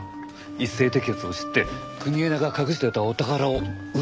一斉摘発を知って国枝が隠していたお宝を奪おうとしたとか。